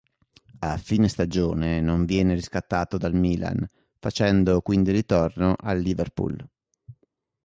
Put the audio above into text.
A fine stagione non viene riscattato dal Milan, facendo quindi ritorno al Liverpool.